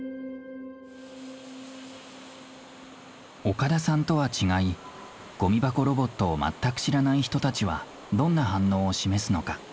岡田さんとは違いゴミ箱ロボットを全く知らない人たちはどんな反応を示すのか。